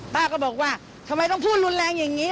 ป้าก็บอกว่าทำไมต้องพูดรุนแรงอย่างนี้